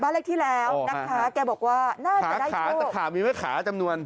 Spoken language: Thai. บ้านเล็กที่แล้วนะคะแกบอกว่าน่าจะได้โชคขาขามีไหมขาจำนวน